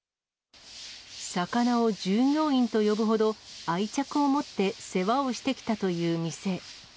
魚を従業員と呼ぶほど、愛着を持って世話をしてきたという店。